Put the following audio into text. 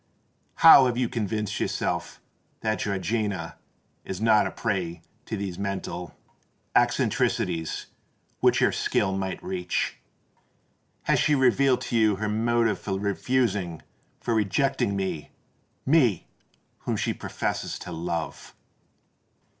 How have you convinced yourself that Georgiana is not a prey to those mental eccentricities which your skill might reach? Has she revealed to you her motive for refusing—for rejecting me,—me whom she professes to love?"